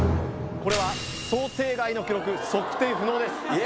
これは想定外の記録測定不能です